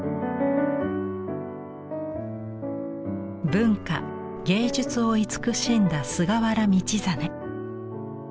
文化芸術を慈しんだ菅原道真。